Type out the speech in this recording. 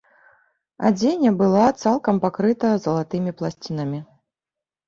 Адзенне была цалкам пакрыта залатымі пласцінамі.